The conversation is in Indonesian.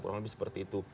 kurang lebih seperti itu